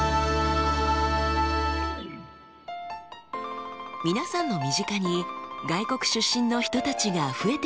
皆さんの身近に外国出身の人たちが増えていませんか？